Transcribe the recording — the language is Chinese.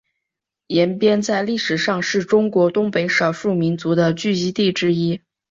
延边在历史上是中国东北少数民族的聚居地之一。